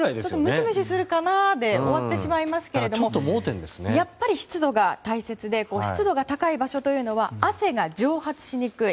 ムシムシするかなで終わってしまいますけどやっぱり湿度が大切で湿度が高い場所というのは汗が蒸発しにくい。